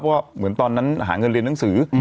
เพราะว่าเหมือนตอนนั้นหาเงินเรียนหนังสือ